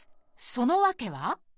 その訳は？